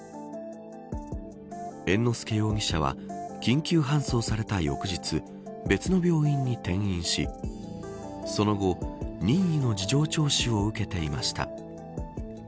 猿之助容疑者は緊急搬送された翌日別の病院に転院しその後、任意の事情聴取を受けていました。